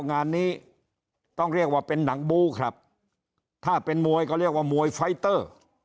งานนี้ต้องเรียกว่าเป็นหนังบู้ครับถ้าเป็นมวยก็เรียกว่ามวยไฟเตอร์